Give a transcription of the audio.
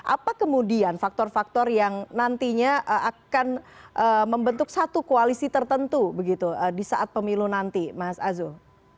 apa kemudian faktor faktor yang nantinya akan membentuk satu koalisi tertentu begitu di saat pemilu nanti mas azul